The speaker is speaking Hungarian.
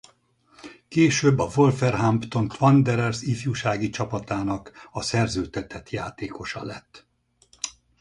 Később a Wolverhampton Wanderers ifjúsági csapatának a szerződtetett játékosa lett.